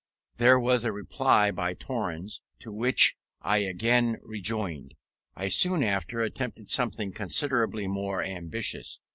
There was a reply by Torrens, to which I again rejoined. I soon after attempted something considerably more ambitious.